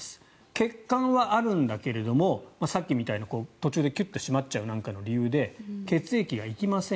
血管はあるんだけれどもさっきみたいに途中でキュッと閉まっちゃうなんかの理由で血液が行きません。